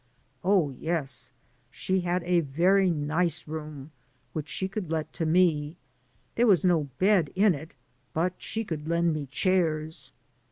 " Oh yes, she had a very nice room which she could let to me ; there was no bed in it, but she could lend me chai^p.